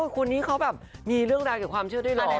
คนนี้เขามีเรื่องราวเกี่ยวกับความเชื่อด้วยหรอ